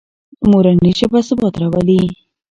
مورنۍ ژبه ثبات راولي.